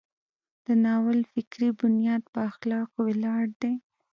د ناول فکري بنیاد په اخلاقو ولاړ دی.